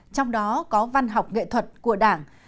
trong đó có văn học nghệ thuật của đảng